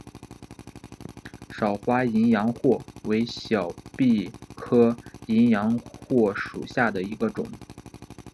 少花淫羊藿为小檗科淫羊藿属下的一个种。